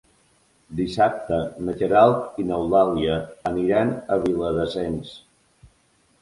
Dissabte na Queralt i n'Eulàlia aniran a Viladasens.